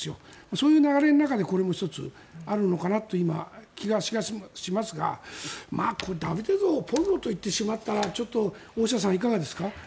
そういう流れの中でこれも１つ、あるのかなと今、そういう気がしますがこれはダビデ像をポルノと言ってしまったら大下さん、いかがですか？